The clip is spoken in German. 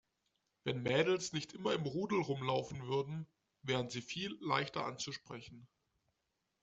Wenn Mädels nicht immer im Rudel rumlaufen würden, wären sie viel leichter anzusprechen.